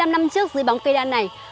bảy mươi năm năm trước dưới bóng cây đan này